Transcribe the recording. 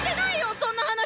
そんな話！